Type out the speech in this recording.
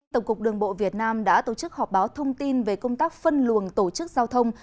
tổng cục đường bộ việt nam đã tổ chức họp báo thông tin về công tác phân luồng tổ chức giao thông